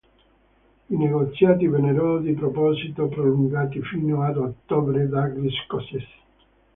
I negoziati vennero di proposito prolungati fino ad Ottobre dagli scozzesi.